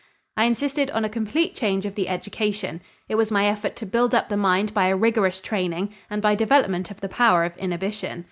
I insisted on a complete change of the education. It was my effort to build up the mind by a rigorous training and by development of the power of inhibition.